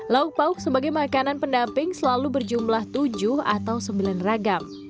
lauk pauk sebagai makanan pendamping selalu berjumlah tujuh atau sembilan ragam